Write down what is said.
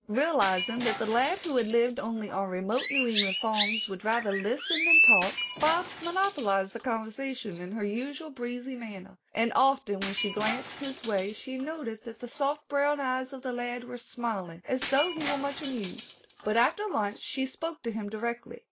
Realizing that the lad who had lived only on remote New England farms would rather listen than talk, Bobs monopolized the conversation in her usual breezy manner, and often when she glanced his way she noted that the soft brown eyes of the lad were smiling as though he were much amused. But after lunch she spoke to him directly.